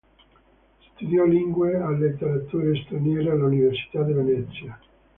Studiò lingue e letterature straniere all'Università di Venezia.